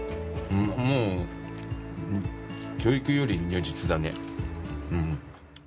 もう教育より如実だね。